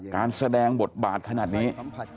การแสดงบทบาทขนาดนี้